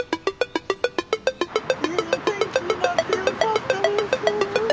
ええお天気になってよかったです。